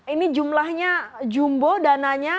ini jumlahnya jumbo dananya